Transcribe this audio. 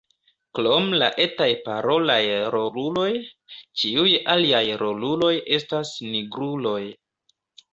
Krom la etaj parolaj roluloj, ĉiuj aliaj roluloj estas nigruloj.